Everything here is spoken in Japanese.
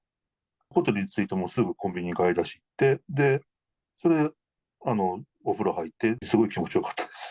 ホテルに着いて、もうすぐコンビニに買い出し行って、で、それでお風呂入って、すごい気持ちよかったです。